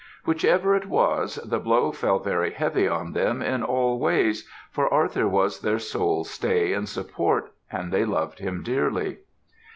Whichever it was, the blow fell very heavy on them in all ways, for Arthur was their sole stay and support, and they loved him dearly.